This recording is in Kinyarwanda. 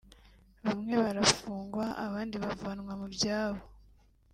bamwe barafungwa abandi bavanwa mu byabo